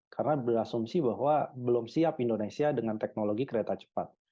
karena berasumsi bahwa belum siap indonesia dengan teknologi kereta cepat